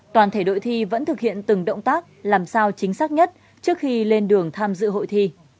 toàn thể đội thi vẫn thực hiện từng động tác làm sao chính xác nhất trước khi lên đường tham dự hội thi